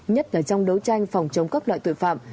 nhất là trong đấu tranh phòng chống các loại tội phạm